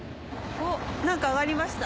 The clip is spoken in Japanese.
何か揚がりました？